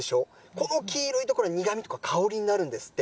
この黄色い所、苦みとか香りになるんですって。